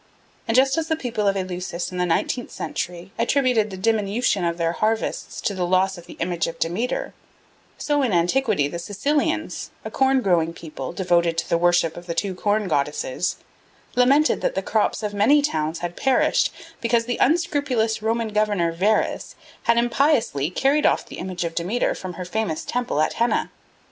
And just as the people of Eleusis in the nineteenth century attributed the diminution of their harvests to the loss of the image of Demeter, so in antiquity the Sicilians, a corn growing people devoted to the worship of the two Corn Goddesses, lamented that the crops of many towns had perished because the unscrupulous Roman governor Verres had impiously carried off the image of Demeter from her famous temple at Henna.